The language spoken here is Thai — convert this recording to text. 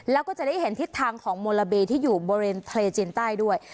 แล้วก็จะได้เห็นทิศทางของโมลาเบที่อยู่บริเวณทะเลจีนใต้ด้วย